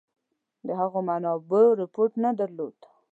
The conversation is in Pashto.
هغو منابعو رپوټ نه درلوده.